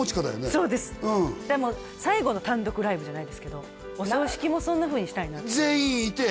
そうです最後の単独ライブじゃないですけどお葬式もそんなふうにしたいなって全員いて？